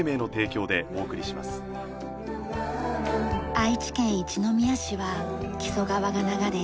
愛知県一宮市は木曽川が流れ